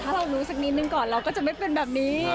ถ้าเรารู้สักนิดนึงก่อนเราก็จะไม่เป็นแบบนี้